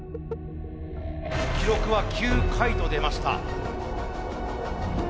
記録は９回と出ました。